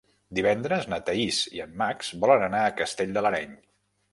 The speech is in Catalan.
Divendres na Thaís i en Max volen anar a Castell de l'Areny.